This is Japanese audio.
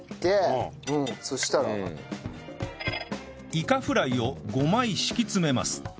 いかフライを５枚敷き詰めます